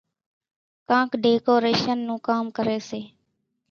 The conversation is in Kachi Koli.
ڪانڪ ڍيڪوريشنَ نون ڪام ڪريَ سي۔